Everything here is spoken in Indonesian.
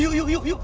yuk yuk yuk